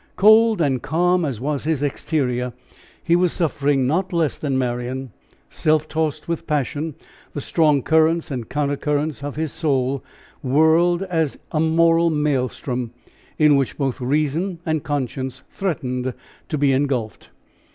Cold and calm as was his exterior, he was suffering not less than Marian; self tossed with passion, the strong currents and counter currents of his soul whirled as a moral maelstrom, in which both reason and conscience threatened to be engulfed.